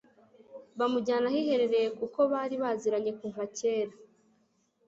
bamujyana ahiherereye kuko bari baziranye kuva kera